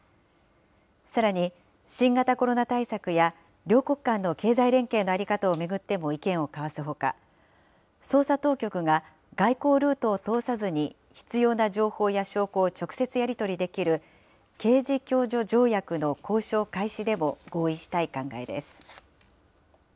さらに、新型コロナ対策や、両国間の経済連携の在り方を巡っても意見を交わすほか、捜査当局が外交ルートを通さずに必要な情報や証拠を直接やり取りできる、刑事共助条約の交渉開始でも合意したい考えです。